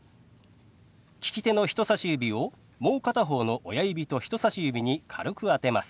利き手の人さし指をもう片方の親指と人さし指に軽く当てます。